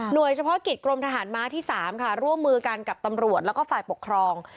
โดยเฉพาะกิจกรมทหารม้าที่๓ค่ะร่วมมือกันกับตำรวจแล้วก็ฝ่ายปกครอง